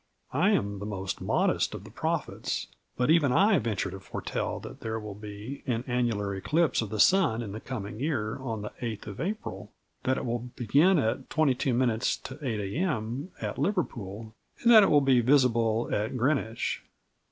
I am the most modest of the prophets, but even I venture to foretell that there will be an annular eclipse of the sun in the coming year on the 8th of April, that it will begin at twenty two minutes to 8 A.M. at Liverpool, and that it will be visible at Greenwich.